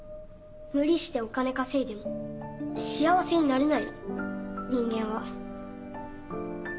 無理してお金稼いでも幸せになれないの人間は。